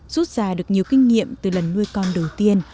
rút ra được nhiều kinh nghiệm từ lần nuôi con đầu tiên